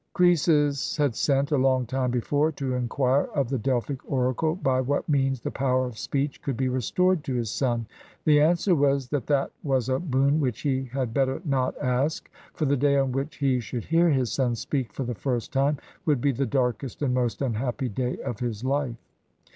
Croesus had sent, a long time before, to inquire of the Delphic oracle by what means the power of speech could be restored to his son. The answer was, that that was a boon which he had better not ask; for the day on which he should hear his son speak for the first time would be the darkest and most unhappy day of his life.